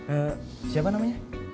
eh siapa namanya